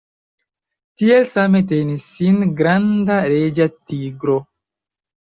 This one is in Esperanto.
Tiel same tenis sin granda reĝa tigro.